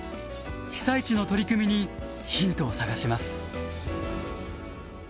被災地の取り組みにヒントを探します。